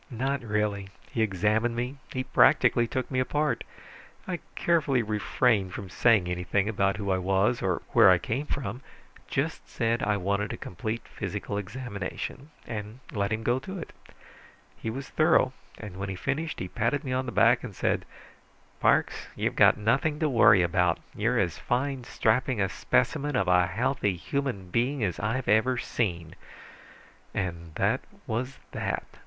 "Not really. He examined me. He practically took me apart. I carefully refrained from saying anything about who I was or where I came from; just said I wanted a complete physical examination, and let him go to it. He was thorough, and when he finished he patted me on the back and said, 'Parks, you've got nothing to worry about. You're as fine, strapping a specimen of a healthy human being as I've ever seen.' And that was that."